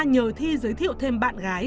nhờ thi giới thiệu thêm bạn gái